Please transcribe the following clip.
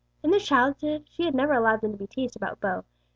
In their childhood she had never allowed them to be teased about beaux.